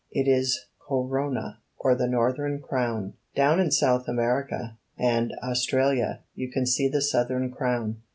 "It is Co ro' na or the Northern Crown. Down in South America and Australia you can see the Southern Crown."